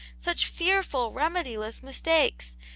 such fearful remediless mistakes!